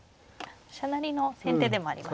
飛車成りの先手でもありますね。